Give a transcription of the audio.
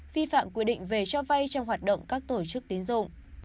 vi phạm quy định về cho vay trong hoạt động các tổ chức tiến dụng